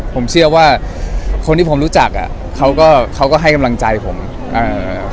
ผมเชื่อว่าคนที่ผมรู้จักอ่ะเขาก็เขาก็ให้กำลังใจผมอ่า